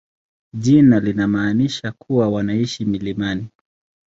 Jina linamaanisha kuwa wanaishi milimani.